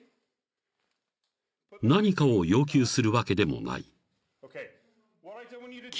［何かを要求するわけでもない］